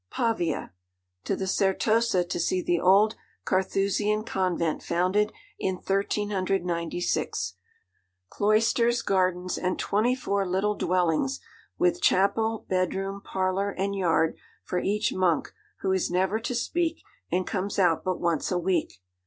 'Pavia. To the Certosa to see the old Carthusian Convent founded in 1396; cloisters, gardens, and twenty four little dwellings, with chapel, bedroom, parlour, and yard for each monk, who is never to speak, and comes out but once a week.